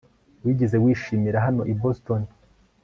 Wigeze wishimira hano i Boston